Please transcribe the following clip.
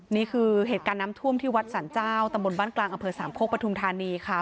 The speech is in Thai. นี่คือเหตุการณ์น้ำท่วมที่วัดสรรเจ้าตำบลบ้านกลางอำเภอสามโคกปทุมธานีค่ะ